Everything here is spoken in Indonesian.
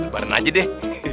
beren aja deh